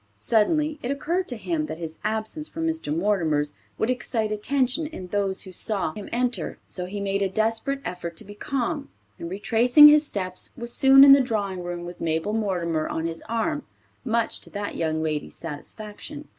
Suddenly it occurred to him that his absence from Mr. Mortimer's would excite attention in those who saw him enter, so he made a desperate effort to be calm, and retracing his steps, was soon in the drawing room with Mabel Mortimer on his arm, much to that young lady's satisfaction.